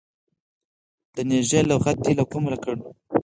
د نږه لغت دي له کومه کړ.